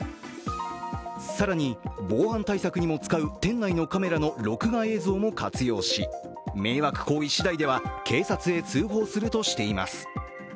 更に防犯対策にも使う店内のカメラの録画映像も活用し、迷惑行為しだいでは警察に通報するとしています。